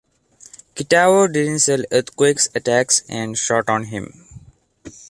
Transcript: Kitao didn't sell Earthquake's attacks and shot on him.